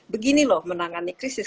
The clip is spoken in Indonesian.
begini loh menangani krisis